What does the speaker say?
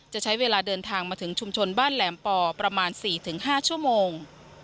จะใช้เวลาเดินทางมาถึงชุมชนบ้านแหลมปอประมาณ๔๕ชั่วโมง